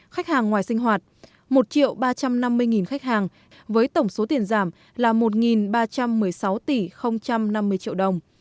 khách hàng ngoài sinh hoạt một ba trăm năm mươi khách hàng với tổng số tiền giảm là một ba trăm một mươi sáu tỷ năm mươi triệu đồng